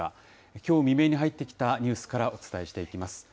きょう未明に入ってきたニュースからお伝えしていきます。